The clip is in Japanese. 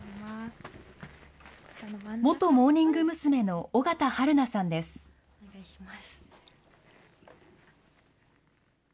元モーニング娘。の尾形春水さんです。